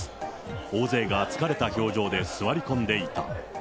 大勢が疲れた表情で座り込んでいた。